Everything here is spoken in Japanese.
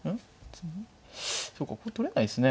そうかこれ取れないですね。